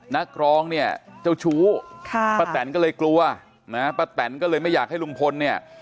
นักร้องเนี่ยเจ้าชู้ค่ะป้าแตนก็เลยกลัวนะป้าแตนก็เลยไม่อยากให้ลุงพลเนี่ย